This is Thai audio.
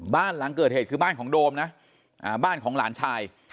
บ้านหลังเกิดเหตุคือบ้านของโดมนะบ้านของหลานชาย